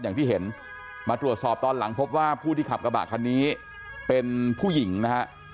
อย่างที่เห็นมาตรวจสอบตอนหลังพบว่าผู้ที่ขับกระบะคันนี้เป็นผู้หญิงนะฮะ